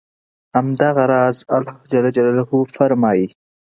د قانون په وړاندې د برابرۍ رامنځته کول.